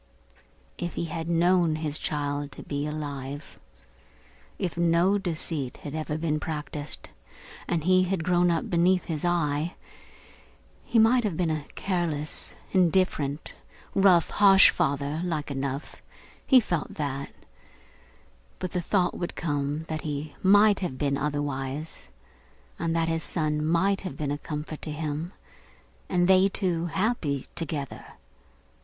If he had known his child to be alive; if no deceit had been ever practised, and he had grown up beneath his eye; he might have been a careless, indifferent, rough, harsh father like enough he felt that; but the thought would come that he might have been otherwise, and that his son might have been a comfort to him, and they two happy together.